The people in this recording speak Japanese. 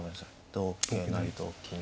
同桂成同金に。